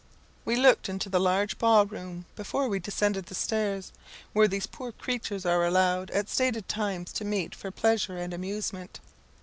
We looked into the large ball room before we descended the stairs, where these poor creatures are allowed at stated times to meet for pleasure and amusement.